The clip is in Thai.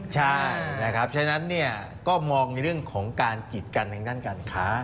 ใช่นะครับฉะนั้นก็มองในเรื่องของการกิจกันทางด้านการค้า